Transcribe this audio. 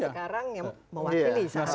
dia sekarang yang mewakili